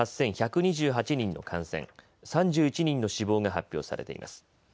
７万８１２８人の感染３１人の死亡が発表されています。